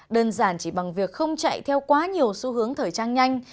đơn giản chỉ bằng việc không chạy theo quá nhiều xu hướng thời trang nhanh